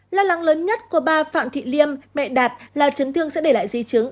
là lặng lớn nhất của ba phạm thị liêm mẹ đạt là chấn thương sẽ để lại di chứng